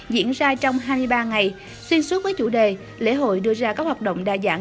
diễn ra trong hai mươi ba ngày xuyên suốt với chủ đề lễ hội đưa ra các hoạt động đa dạng